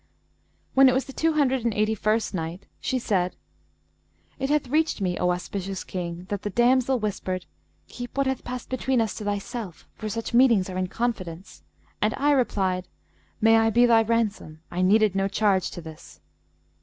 When it was the Two Hundred and Eighty first Night, She said, It hath reached me, O auspicious King, that the damsel whispered, "'Keep what hath passed between us to thyself, for such meetings are in confidence;' and I replied, 'May I be thy ransom! I needed no charge to this.'